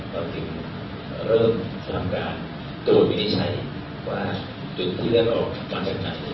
เราจึงเริ่มทำการโดยวินิชัยว่าจนที่เลือกออกมาจากไหน